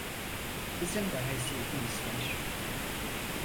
Bizim de haysiyetimiz var.